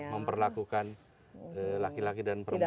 memperlakukan laki laki dan perempuan